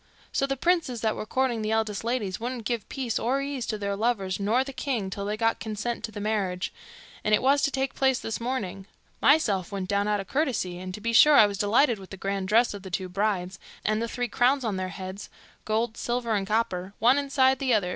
So the princes that were courting the eldest ladies wouldn't give peace or ease to their lovers nor the king till they got consent to the marriage, and it was to take place this morning. Myself went down out o' curiousity, and to be sure I was delighted with the grand dresses of the two brides, and the three crowns on their heads gold, silver, and copper, one inside the other.